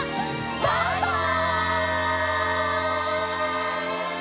バイバイ！